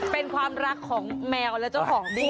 เป็นความรักของแมวและเจ้าของด้วย